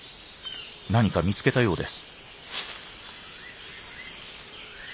何か見つけたようです。